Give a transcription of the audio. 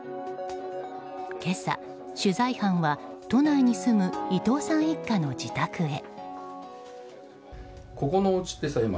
今朝、取材班は都内に住む伊藤さん一家の自宅へ。